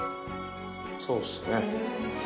そうっすね。